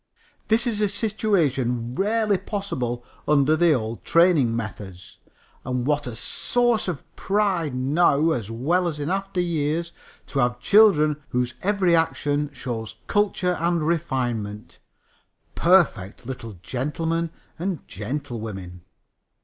This is a situation rarely possible under the old training methods. And what a source of pride now as well as in after years! To have children whose every action shows culture and refinement perfect little gentlemen and gentlewomen."